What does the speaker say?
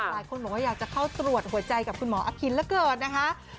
หลายคนบอกว่าอยากจะเข้าตรวจหัวใจกับคุณหมออภินเหลือเกินนะคะ